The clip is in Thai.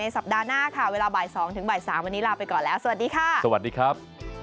สวัสดีครับ